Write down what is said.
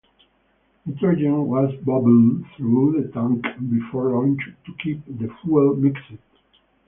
Nitrogen was bubbled through the tank before launch to keep the fuel mixed.